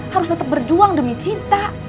harus tetap berjuang demi cinta